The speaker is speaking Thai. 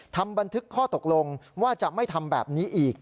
ทำบันทึกข้อตกลงว่าจะไม่ทำแบบนี้อีก